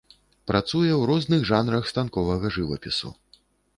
Працуе ў розных жанрах станковага жывапісу.